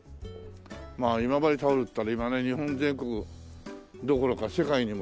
まあ今治タオルっていったら今ね日本全国どころか世界にもね。